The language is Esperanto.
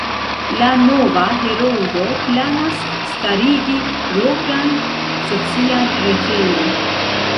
La nova Heroldo planas starigi propran socian retejon.